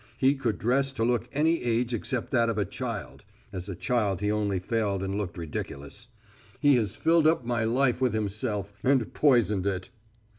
He could dress to look any age except that of a child (as a child he only failed and looked ridiculous). He has filled up my life with himself, and poisoned it.